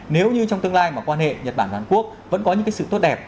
nếu như trong tương lai mà quan hệ nhật bản và hàn quốc vẫn có những cái sự tốt đẹp